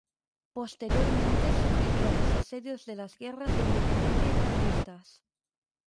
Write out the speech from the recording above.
Posteriormente sufriría los asedios de las guerras de Independencia y Carlistas.